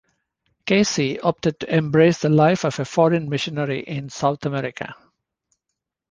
Casey opted to embrace the life of a foreign missionary in South America.